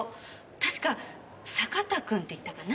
確か坂田くんっていったかな。